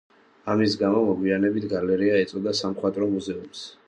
ამის გამო, მოგვიანებით გალერეა ეწოდა სამხატვრო მუზეუმებს.